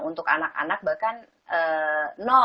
untuk anak anak bahkan angkanya kemungkinannya